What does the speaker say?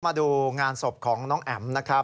มาดูงานศพของน้องแอ๋มนะครับ